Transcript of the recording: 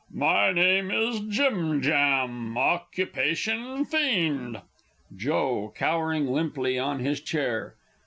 My name is "Jim Jam;" occupation fiend. Joe, (cowering limply on his chair).